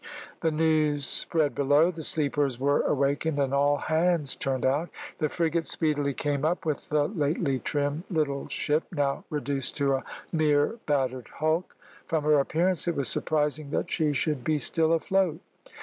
The news spread below, the sleepers were awakened, and all hands turned out. The frigate speedily came up with the lately trim little ship, now reduced to a mere battered hulk. From her appearance it was surprising that she should be still afloat.